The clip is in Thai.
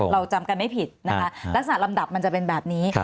เราจำกันไม่ผิดนะคะดักศึกษารำดับมันจะเป็นแบบนี้